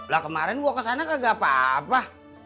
lah kemarin gue kesana gak apa apa